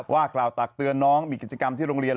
ว่ากล่าวตักเตือนน้องมีกิจกรรมที่โรงเรียน